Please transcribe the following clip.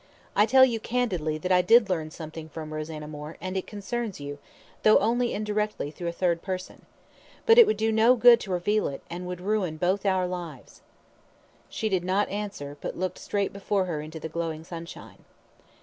I tell you candidly that I did learn something from Rosanna Moore, and it concerns you, though only indirectly through a third person. But it would do no good to reveal it, and would ruin both our lives." She did not answer, but looked straight before her into the glowing sunshine.